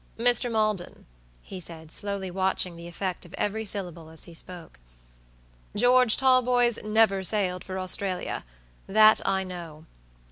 "Mr. Maldon," he said, slowly watching the effect of every syllable as he spoke, "George Talboys never sailed for Australiathat I know.